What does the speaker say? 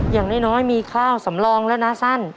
อย่างน้อยมีข้าวสำรองแล้วนะสั้น